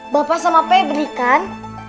bapak sama pebri kan